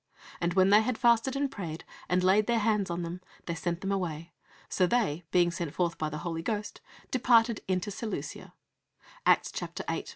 And when they had fasted and prayed, and laid their hands on them, they sent them away. So they, being sent forth by the Holy Ghost, departed into Seleucia" (Acts xiii. 1 4).